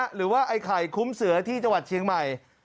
หรือว่าไอ้ไข่คุ้มเสือที่จังหวัดเชียงใหม่